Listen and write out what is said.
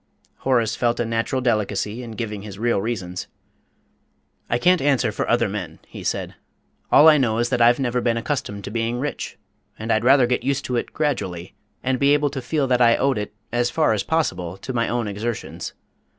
Horace felt a natural delicacy in giving his real reasons. "I can't answer for other men," he said. "All I know is that I've never been accustomed to being rich, and I'd rather get used to it gradually, and be able to feel that I owed it, as far as possible, to my own exertions.